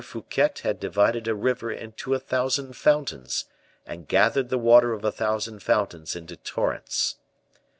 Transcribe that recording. Fouquet had divided a river into a thousand fountains, and gathered the waters of a thousand fountains into torrents.